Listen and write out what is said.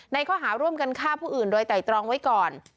ข้อหาร่วมกันฆ่าผู้อื่นโดยไตรตรองไว้ก่อน